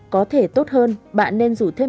có thể tốt hơn bạn nên rủ thêm